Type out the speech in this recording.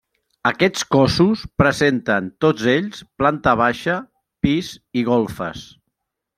Aquests cossos presenten, tots ells, planta baixa, pis i golfes.